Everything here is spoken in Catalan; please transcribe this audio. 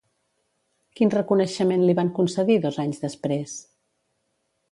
Quin reconeixement li van concedir dos anys després?